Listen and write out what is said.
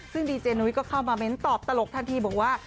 ซึ่งดีเจนุ้ยก็เข้ามาเน้นตอบตลกทันทีบอกว่า